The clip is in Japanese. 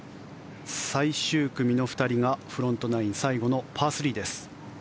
最終組の２人がフロントナイン最後のパー３です。